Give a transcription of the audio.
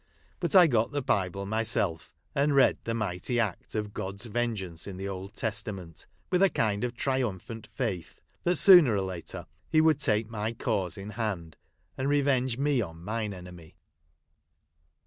But I got the Bible myself, and read the mighty act of God's A'engoance in the Old Testanient, with a kind of triumphant faith, that, sooner or later, He Avould take my cause in hand, and revenge me on mine enemy.